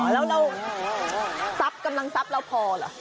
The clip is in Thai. แล้วเราทรัพย์กำลังทรัพย์เราพอเหรอ